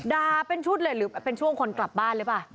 ด่าเป็นชุดเลยหรือเป็นช่วงคนกลับบ้านเลยป่ะ